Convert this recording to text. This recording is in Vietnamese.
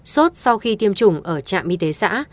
sốt sau khi tiêm chủng ở trạm y tế xã